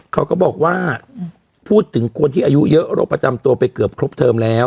เขาก็บอกว่าพูดถึงคนที่อายุเยอะโรคประจำตัวไปเกือบครบเทอมแล้ว